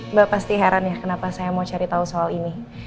mbak pasti heran ya kenapa saya mau cari tahu soal ini